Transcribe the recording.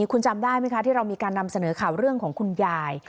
คุณจำได้ไหมคะที่เรามีการนำเสนอข่าวเรื่องของคุณยาย